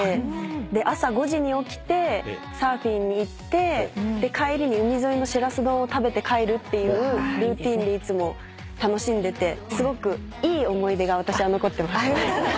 で朝５時に起きてサーフィンに行って帰りに海沿いのしらす丼を食べて帰るっていうルーティンでいつも楽しんでてすごくいい思い出が私は残ってます。